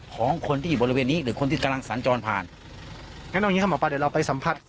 ของคนที่อยู่บริเวณนี้หรือคนที่กำลังสัญจรผ่านงั้นเอาอย่างงี้ครับหมอปลาเดี๋ยวเราไปสัมผัส